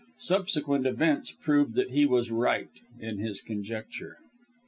Subsequent events proved that he was right in his conjecture.